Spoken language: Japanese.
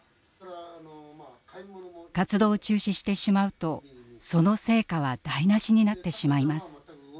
活動を中止してしまうとその成果は台なしになってしまいます。